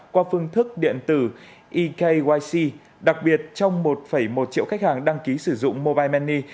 qua phương thức điện tử ekyc đặc biệt trong một một triệu khách hàng đăng ký sử dụng mobile money